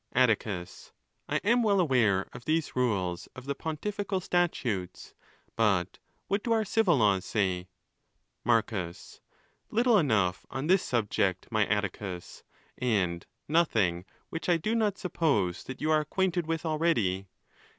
. XXIIL Attzcus—I am well aware of these rules of the pontifical statutes; but what do our civil laws say ? 3 Mareus. —Little enough on this subject, my Atticus, and nothing which I do not suppose that you are acquainted with already.